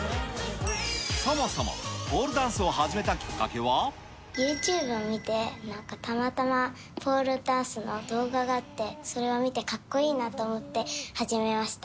そもそもポールダンスを始めたきユーチューブを見て、なんかたまたまポールダンスの動画があって、それを見て、かっこいいなと思って始めました。